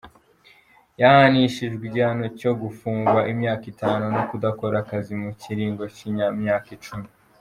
Yahanishijwe igihano co gupfungwa imyaka itanu no kudakora akazi mu kiringo c'imyaka cumi.